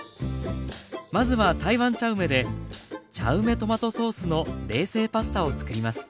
まずは台湾茶梅で茶梅トマトソースの冷製パスタをつくります。